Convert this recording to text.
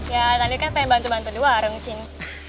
ya tadi kan pengen bantu bantu di warung cing